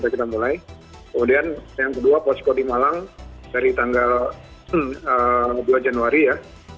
kemudian yang kedua posko di malang dari tanggal dua januari ya